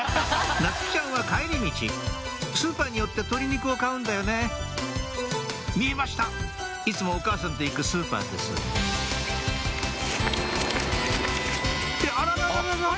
夏希ちゃんは帰り道スーパーに寄って鶏肉を買うんだよね見えましたいつもお母さんと行くスーパーですってあららら？